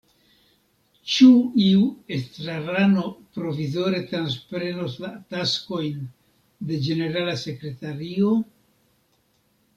Ĉu iu estrarano provizore transprenos la taskojn de ĝenerala sekretario?